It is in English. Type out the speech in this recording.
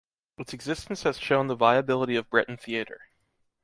Its existence has shown the viability of Breton theater.